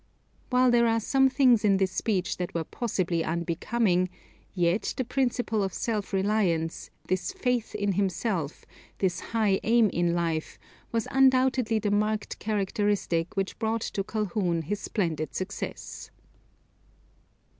While there are some things in this speech that were possibly unbecoming; yet the principle of self reliance, this faith in himself, this high aim in life, was undoubtedly the marked characteristic which brought to Calhoun his splendid success.